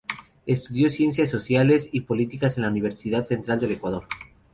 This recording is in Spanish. Estudió ciencias sociales y políticas en la Universidad Central del Ecuador.